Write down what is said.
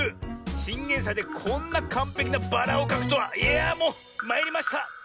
チンゲンサイでこんなかんぺきなバラをかくとはいやあもうまいりました！